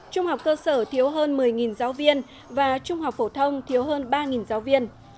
trung học cơ sở thiếu hơn một mươi giáo viên và trung học phổ thông thiếu hơn ba giáo viên